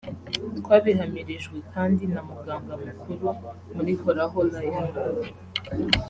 twabihamirijwe kandi na muganga mukuru muri Horaho Life